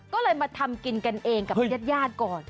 ก็เลยมาทำกินกันเองกับญาติก่อน